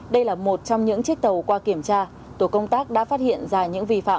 đây là một trong những chiếc tàu qua kiểm tra tổ công tác đã phát hiện ra những vi phạm